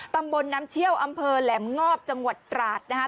ตำบลน้ำเชี่ยวอำเภอแหลมงอบจังหวัดตราดนะคะ